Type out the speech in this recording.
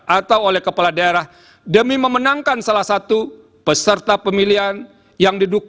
atau oleh kepala daerah demi memenangkan salah satu peserta pemilihan yang didukung